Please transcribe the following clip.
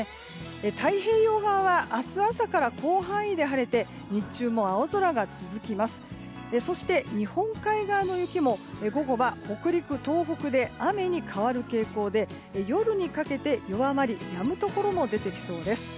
太平洋側は明日朝から広範囲で晴れてそして日本海側の雪も午後は北陸、東北で雨に変わる傾向で夜にかけて弱まりやむところも出てきそうです。